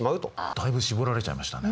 だいぶ絞られちゃいましたね。